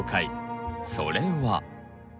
それは。